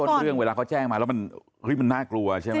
เรื่องเวลาเขาแจ้งมาแล้วมันน่ากลัวใช่ไหม